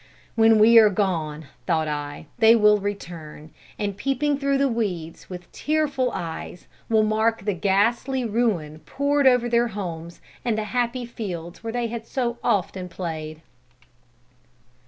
'When we are gone,' thought I, 'they will return, and peeping through the weeds, with tearful eyes, will mark the ghastly ruin poured over their homes and the happy fields where they had so often played.'"